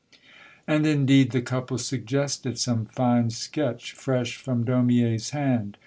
And indeed the couple suggested some fine sketch fresh from Daumier's hand.